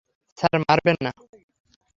Sir, মারবেন না।